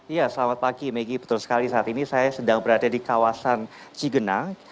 ya selamat pagi maggie betul sekali saat ini saya sedang berada di kawasan cigenang